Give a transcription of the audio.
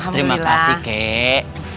terima kasih keaik